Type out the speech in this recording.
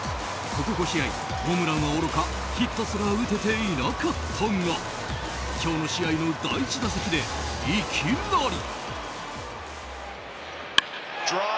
ここ５試合、ホームランはおろかヒットすら打てていなかったが今日の試合の第１打席でいきなり。